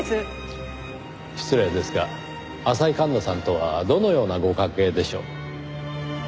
失礼ですが浅井環那さんとはどのようなご関係でしょう？